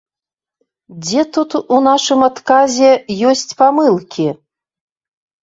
Дзе тут у нашым адказе ёсць памылкі?